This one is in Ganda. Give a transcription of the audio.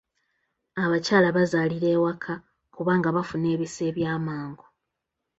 Abakyala bazaalira ewaka kubanga bafuna ebisa eby'amangu.